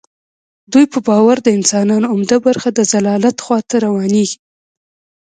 دوی په باور د انسانانو عمده برخه د ضلالت خوا ته روانیږي.